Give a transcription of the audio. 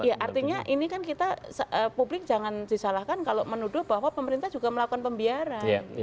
ya artinya ini kan kita publik jangan disalahkan kalau menuduh bahwa pemerintah juga melakukan pembiaran